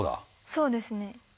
そうですね。